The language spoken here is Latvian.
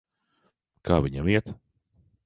Kā viņam iet?